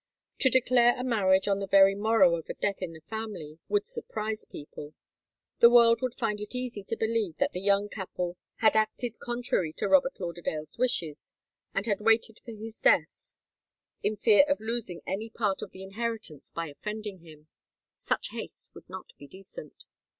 To declare a marriage on the very morrow of a death in the family would surprise people; the world would find it easy to believe that the young couple had acted contrary to Robert Lauderdale's wishes, and had waited for his death, in fear of losing any part of the inheritance by offending him. Such haste would not be decent.